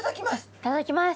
いただきます。